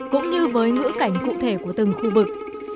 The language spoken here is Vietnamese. cũng như với ngữ cảnh cụ thể của từng khu vực